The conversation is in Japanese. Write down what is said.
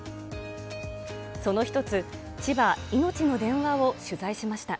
その一つ、千葉いのちの電話を取材しました。